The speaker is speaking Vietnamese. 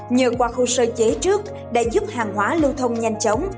nhờ qua khu sơ chế trước đã giúp hàng hóa lưu thông nhanh chóng